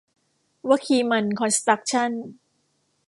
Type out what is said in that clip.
วะคีมันคอนสครัคชั่น